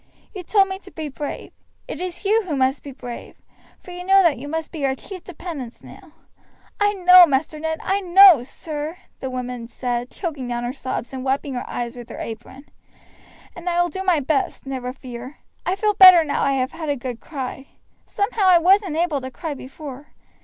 You told me to be brave; it is you who must be brave, for you know that you must be our chief dependence now." "I know, Master Ned; I know, sir," the woman said, choking down her sobs, and wiping her eyes with her apron, "and I will do my best, never fear. I feel better now I have had a good cry. Somehow I wasn't able to cry before.